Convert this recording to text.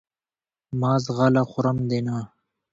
مه ځغله خورم دې نه !